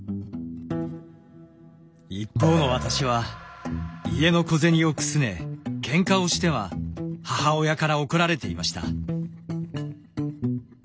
一方の私は家の小銭をくすねケンカをしては母親から怒られていました。